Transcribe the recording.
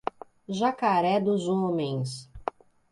Jacaré dos Homens